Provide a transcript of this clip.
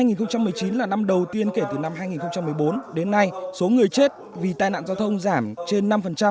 năm hai nghìn một mươi chín là năm đầu tiên kể từ năm hai nghìn một mươi bốn đến nay số người chết vì tai nạn giao thông giảm trên năm